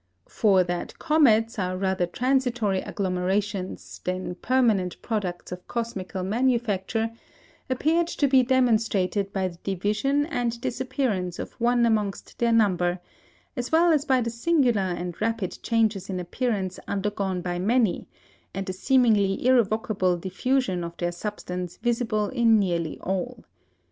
For that comets are rather transitory agglomerations, than permanent products of cosmical manufacture, appeared to be demonstrated by the division and disappearance of one amongst their number, as well as by the singular and rapid changes in appearance undergone by many, and the seemingly irrevocable diffusion of their substance visible in nearly all.